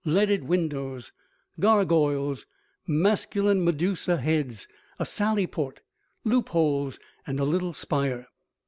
Leaded windows, gargoyles, masculine medusa heads, a sallyport, loopholes and a little spire.